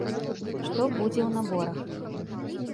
Што будзе ў наборах?